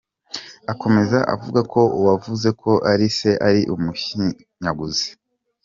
Akomeza avuga ko uwavuze ko ari Se ari umushinyaguzi.